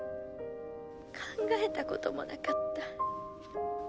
考えたこともなかった。